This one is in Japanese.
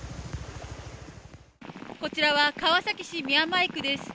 こちらは川崎市宮前区です。